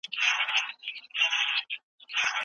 نوي ټولنیز حقایق کشف کیږي.